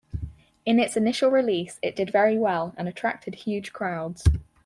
In its initial release, it did very well and attracted huge crowds.